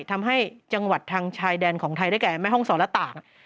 ทำให้จังหวัดทางชายแดนของไทยได้แก่แม่ห้องศรและต่าง